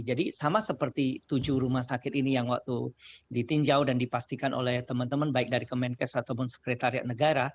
jadi sama seperti tujuh rumah sakit ini yang waktu ditinjau dan dipastikan oleh teman teman baik dari kemenkes ataupun sekretaris